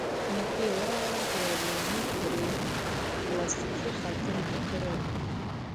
نږدې ورغلم، په يوه ليوني پورې يې پلاستيکي خلطه غوټه کړې وه،